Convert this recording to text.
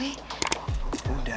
udah kamu tenang dulu ya